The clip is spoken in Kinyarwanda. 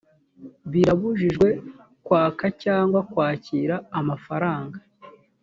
birabujijwe kwaka cyangwa kwakira amafaranga